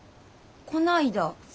こないだ？